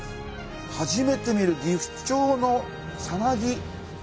初めて見るギフチョウのさなぎ。